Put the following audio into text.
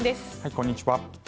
こんにちは。